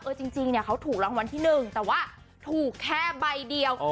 จริงเนี่ยเขาถูกรางวัลที่๑แต่ว่าถูกแค่ใบเดียว